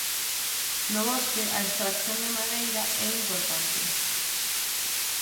No bosque a extracción de madeira é importante.